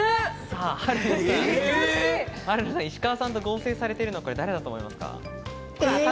春菜さん、石川さんと合成されているの誰だと思いますか？